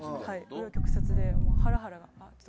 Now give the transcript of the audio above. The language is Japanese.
紆余曲折で、ハラハラと。